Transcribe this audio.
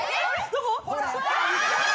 どこ？